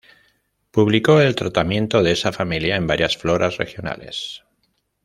Publicó el tratamiento de esa familia en varias floras regionales.